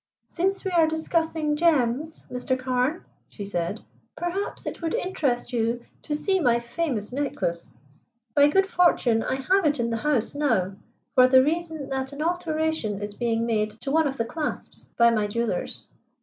"Since we are discussing gems, Mr. Carne," she said, "perhaps it would interest you to see my famous necklace. By good fortune I have it in the house now, for the reason that an alteration is being made to one of the clasps by my jewellers."